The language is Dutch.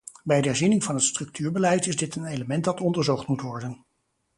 Bij de herziening van het structuurbeleid is dit een element dat onderzocht moet worden.